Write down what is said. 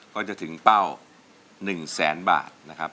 ก็จะถึงเป้า๑แสนบาทนะครับ